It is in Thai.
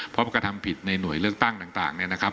เพราะกระทำผิดในหน่วยเลือกตั้งต่างเนี่ยนะครับ